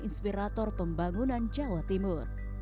inspirator pembangunan jawa timur